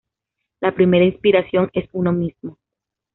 La primera inspiración es uno mismo.